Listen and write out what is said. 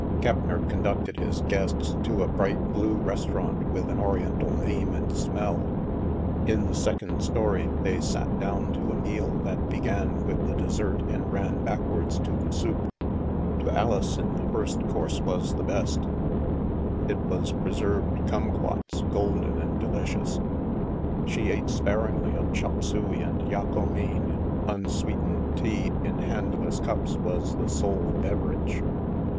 Keppner conducted his guests to a bright blue restaurant with an Oriental name and smell. In the second story they sat down to a meal that be gan with the dessert and ran backwards to the soup. To Alison, the first course was the best ; it was pre served kumquats, golden and delicious. She ate sparingly of chop suey and yako main ; unsweetened tea in handleless cups was the sole beverage.